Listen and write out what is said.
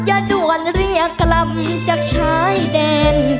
วันเรียกกล่ำจากชายแดน